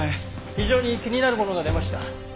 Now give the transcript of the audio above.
非常に気になるものが出ました。